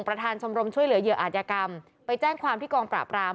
ชมรมช่วยเหลือเหยื่ออาจยกรรมไปแจ้งความที่กองปราบราม